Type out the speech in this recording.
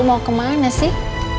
mau kemana sih